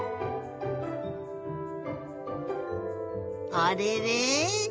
あれれ？